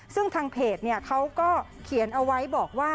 ซึ่งทางเพจเขาก็เขียนเอาไว้บอกว่า